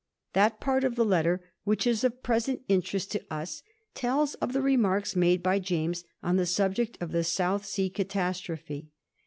That part of the letter which is of present interest to us tells of the remarks made by James on the subject of the South Sea catastrophe.